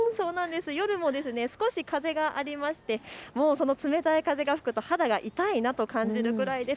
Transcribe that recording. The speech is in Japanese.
夜も少し風がありまして冷たい風が吹くと肌が痛いなと感じるくらいです。